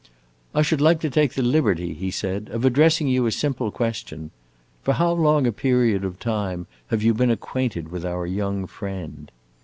"I should like to take the liberty," he said, "of addressing you a simple question. For how long a period of time have you been acquainted with our young friend?"